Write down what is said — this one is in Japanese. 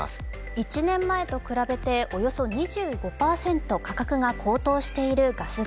１年前と比べておよそ２５％価格が高騰しているガス代。